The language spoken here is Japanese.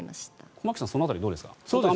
駒木さん、その辺りどうですか？